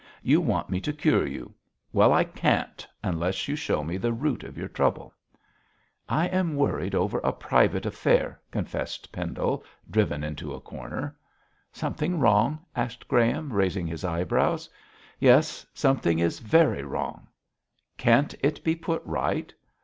You want me to cure you. Well, I can't, unless you show me the root of your trouble.' 'I am worried over a private affair,' confessed Pendle, driven into a corner. 'Something wrong?' asked Graham, raising his eyebrows. 'Yes, something is very wrong.' 'Can't it be put right?'